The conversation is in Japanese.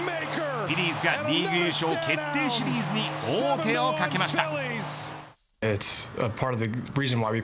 フィリーズがリーグ優勝決定シリーズに王手をかけました。